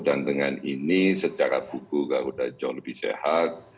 dengan ini secara buku garuda jauh lebih sehat